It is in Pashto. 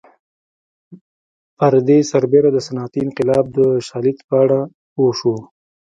پر دې سربېره د صنعتي انقلاب د شالید په اړه پوه شو